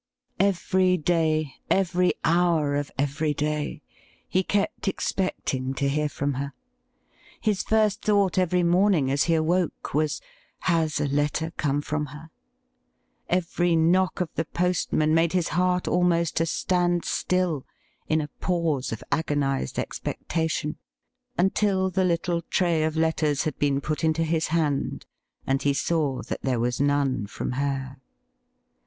Every day, every hour of every day, he kept expecting to hear from her. His first thought every morning as he awoke was :' Has a letter come from her ?'' Every knock of the postman made his heart almost to stand still in a pause of agonized expectation until the little tray of letters had been put into his hand, and he saw that there was none from her.